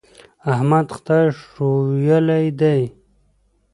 احمد خدای ښويولی دی.